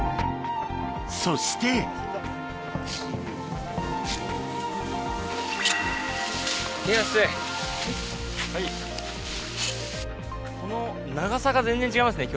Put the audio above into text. そしてこの長さが全然違いますね